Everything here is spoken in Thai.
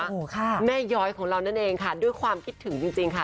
โอ้โหค่ะแม่ย้อยของเรานั่นเองค่ะด้วยความคิดถึงจริงจริงค่ะ